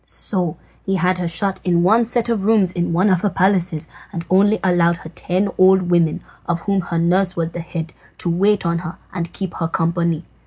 So he had her shut in one set of rooms in one of her palaces, and only allowed her ten old women, of whom her nurse was the head, to wait on her and keep her company.